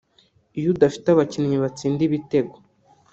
Iyo udafite abakinnyi batsinda ibitego